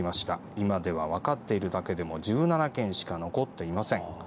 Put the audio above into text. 今では分かっているだけでも１７軒しか残っていません。